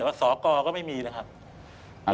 แต่ว่าสอกรก็ไม่มีนะครับ